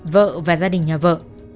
vợ và gia đình nhà vợ